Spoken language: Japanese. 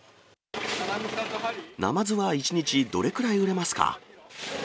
ナマズは１日どれくらい売れますか？